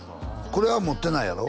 これは持ってないやろ？